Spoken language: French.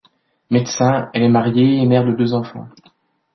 Médecin, elle est mariée et mère de deux enfants.